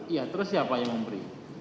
iya terus siapa yang memberi